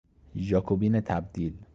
ژاکوبین تبدیل